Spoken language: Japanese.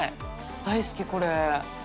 大好きこれ。